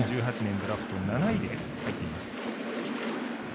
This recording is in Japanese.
ドラフト７位で入っています。